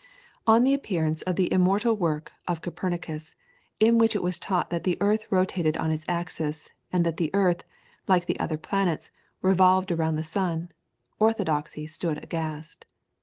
On the appearance of the immortal work of Copernicus, in which it was taught that the earth rotated on its axis, and that the earth, like the other planets, revolved round the sun, orthodoxy stood aghast.